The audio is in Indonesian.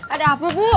ada apa bu